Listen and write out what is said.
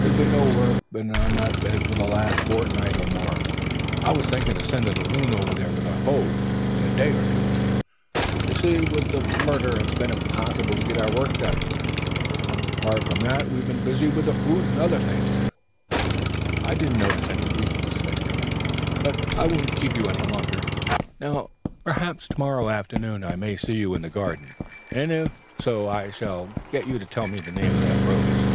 "There's been nae work deen on that bed for the last fortnicht or mair. I was thinkin' o' sendin' a loon ower't wie a hoe in a day or twa. Ye see, wie the murrder it's been impossible tae get ony work done; apairt fay that we've been busy wie the fruit and ether things." "I didn't notice any weeds," said Gimblet. "But I won't keep you any longer, now. Perhaps to morrow afternoon I may see you in the garden, and if so I shall get you to tell me the name of that rose."